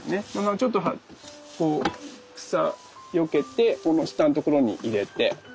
ちょっとこう草よけてこの下のところに入れて。